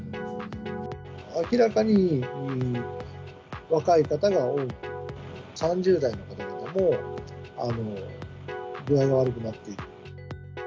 明らかに若い方が多く、３０代の方なんかも、具合が悪くなっています。